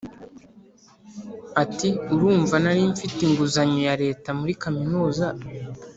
Ati Urumva nari mfite inguzanyo ya Leta muri kaminuza